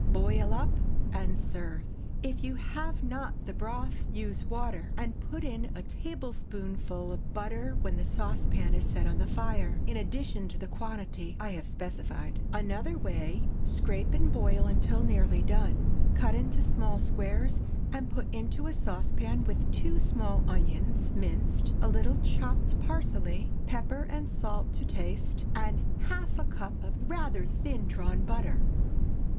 Boil up and serve. If you have not the broth, use water, and put in a tablespoonful of butter when the saucepan is set on the fire, in addition to the quantity I have specified. Another Way. Scrape and boil until nearly done. Cut into small squares, and put into a saucepan, with two small onions, minced; a little chopped parsley, pepper and salt to taste, and half a cup of rather thin drawn butter.